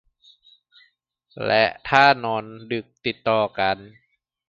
และถ้านอนดึกติดต่อกัน